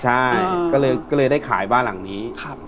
ใช่ก็เลยได้ขายบ้านหลังนี้